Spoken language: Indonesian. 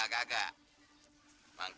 makanya jangan sering pengong